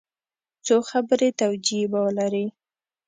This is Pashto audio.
څو خبري توجیې به ولري.